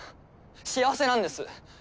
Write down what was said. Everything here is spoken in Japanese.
幸せなんです！